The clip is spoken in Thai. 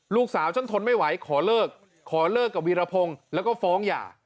ลูกสาวฉันทนไม่ไหวขอเลิกขอเลิกกับวีรพงศ์แล้วก็ฟ้องหย่า